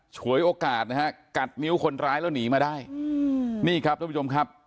ฉวยโอกาสนะฮะกัดนิ้วคนร้ายแล้วหนีมาได้อืมนี่ครับทุกผู้ชมครับ